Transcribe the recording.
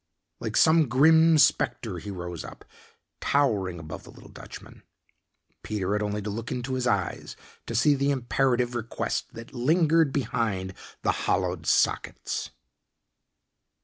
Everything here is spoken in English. Like some grim spectre he rose up, towering above the little Dutchman. Peter had only to look into his eyes to see the imperative request that lingered behind the hollowed sockets.